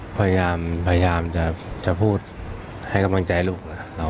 พยายามจะพูดให้กำลังใจลูก